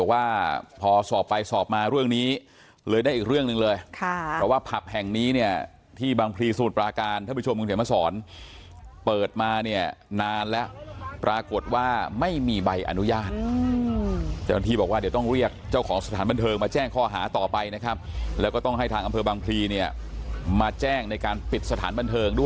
ก็จะให้ความเป็นธรรมทุกคนนะครับ